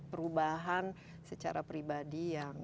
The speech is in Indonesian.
perubahan secara pribadi yang